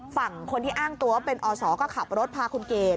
ฝั่งคนที่อ้างตัวว่าเป็นอศก็ขับรถพาคุณเกด